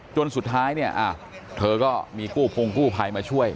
จนสุดท้ายเนี่ยเธอก็มีกู้พงกู้ภัยมาช่วย